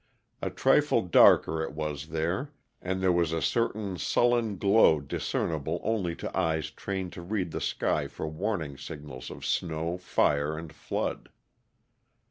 A trifle darker it was there, and there was a certain sullen glow discernible only to eyes trained to read the sky for warning signals of snow, fire, and flood.